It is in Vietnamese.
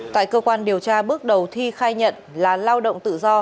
tại cơ quan điều tra bước đầu thi khai nhận là lao động tự do